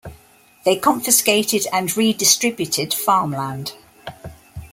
They confiscated and redistributed farmland.